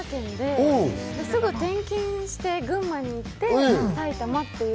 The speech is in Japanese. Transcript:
生まれは新潟県で、すぐ転勤して群馬に行って埼玉っていう。